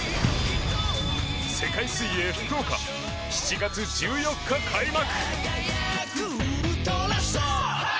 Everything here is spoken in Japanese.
世界水泳福岡７月１４日開幕。